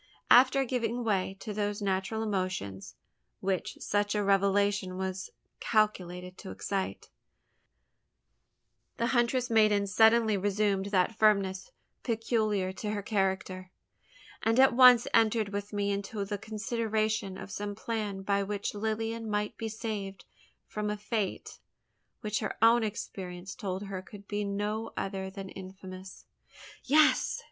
After giving way to those natural emotions, which such a revelation was calculated to excite, the huntress maiden suddenly resumed that firmness peculiar to her character; and at once entered with me into the consideration of some plan by which Lilian might be saved from a fate which her own experience told her could be no other than infamous. "Yes!"